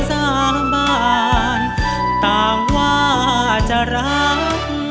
สามบ้านต่างว่าจะรัก